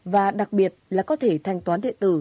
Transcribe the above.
và đặc biệt là có thể thanh toán điện tử